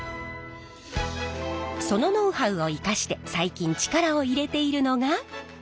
そのノウハウを生かして最近力を入れているのが。